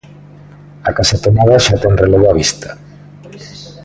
A Casa Tomada xa ten relevo á vista.